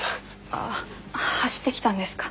ああ走ってきたんですか？